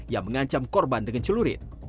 yang mengancam korban dengan celurit